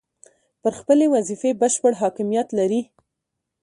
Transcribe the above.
پر خپلې وظیفې بشپړ حاکمیت لري.